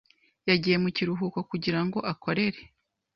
yagiye mu kiruhuko kugira ngo akorere